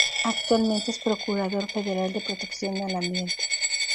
Actualmente es Procurador Federal de Protección al Ambiente.